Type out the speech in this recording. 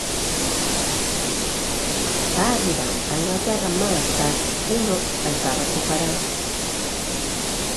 Va arribar a Anglaterra en mal estat i no es va recuperar.